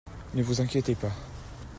Ne vous inquiétez pas!